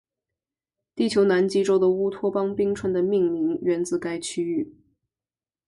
地球南极洲的乌托邦冰川的命名源自该区域。